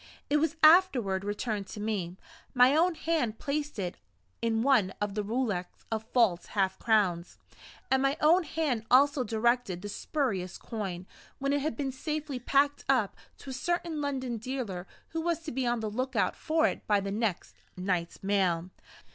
It was afterward returned to me. My own hand placed it in one of the rouleaux of false half crowns; and my own hand also directed the spurious coin, when it had been safely packed up, to a certain London dealer who was to be on the lookout for it by the next night's mail.